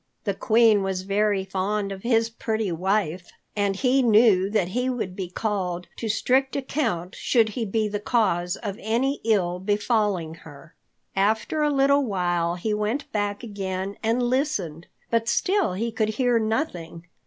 The Queen was very fond of his pretty wife, and he knew that he would be called to strict account should he be the cause of any ill befalling her. After a little while he went back again and listened, but still he could hear nothing.